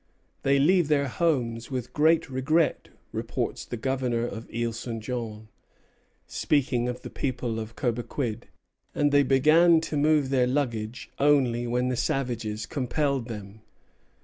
"They leave their homes with great regret," reports the Governor of Isle St. Jean, speaking of the people of Cobequid, "and they began to move their luggage only when the savages compelled them."